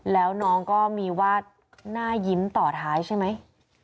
แล้วน้องก็มีวาดหน้ายิ้มต่อท้ายใช่ไหม